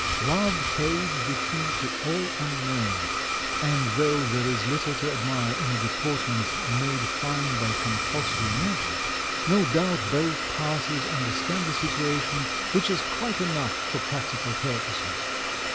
"Love holds the key to all unknown," and though there is little to admire in a deportment made fine by compulsory measures, no doubt both parties understand the situation, which is quite enough for practical purposes.